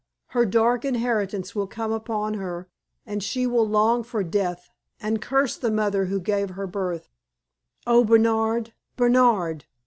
Her dark inheritance will come upon her, and she will long for death, and curse the mother who gave her birth. Oh, Bernard, Bernard!